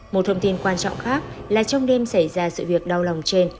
một thông tin quan trọng khác là trong đêm xảy ra sự việc đau lòng trên